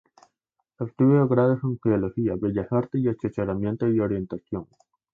Obtuvo grados en geología, bellas artes y asesoramiento y orientación.